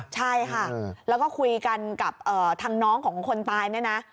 ใช่ค่ะแล้วก็คุยกันกับทางน้องของคนตายเนี่ยนะ